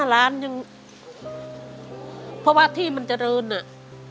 ล้านยังเพราะว่าที่มันเจริญอ่ะ